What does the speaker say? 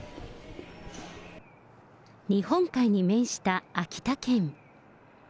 日本海に面した秋田県。